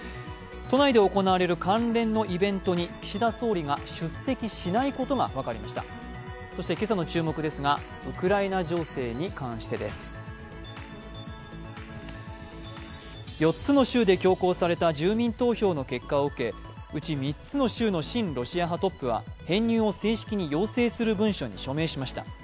都内で行われる関連のイベントに岸田総理が出席しないことが４つの州で強行された住民投票の結果を受け、うち３つの州の親ロシア派トップは編入を正式に要請する文書に署名しました。